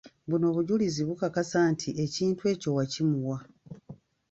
Buno obujulizi bukakasa nti ekintu ekyo wakimuwa.